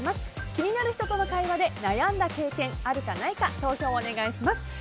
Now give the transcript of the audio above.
気になる人との会話で悩んだ経験、あるかないか投票をお願いします。